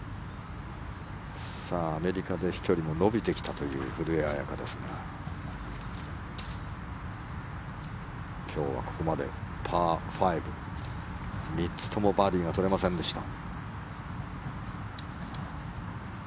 アメリカで飛距離も伸びてきたという古江彩佳ですが今日はここまでパー５、３つともバーディーが取れませんでした。